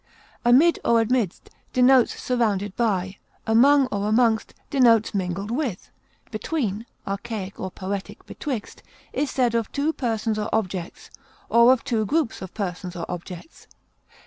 Amid or amidst denotes surrounded by; among or amongst denotes mingled with. Between (archaic or poetic, betwixt) is said of two persons or objects, or of two groups of persons or objects.